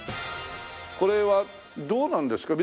これはどうなんですか？